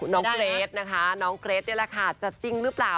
เกรทนะคะน้องเกรทนี่แหละค่ะจะจริงหรือเปล่า